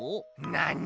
なに？